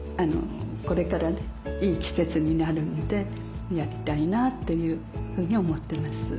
これからねいい季節になるのでやりたいなというふうに思ってます。